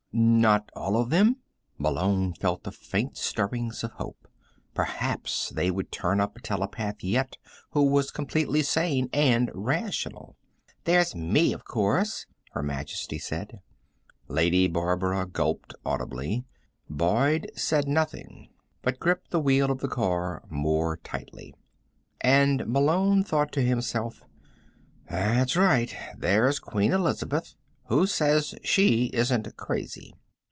"Not all of them?" Malone felt the faint stirrings of hope. Perhaps they would turn up a telepath yet who was completely sane and rational. "There's me, of course," Her Majesty said. Lady Barbara gulped audibly. Boyd said nothing, but gripped the wheel of the car more tightly. And Malone thought to himself: _That's right. There's Queen Elizabeth who says she isn't crazy.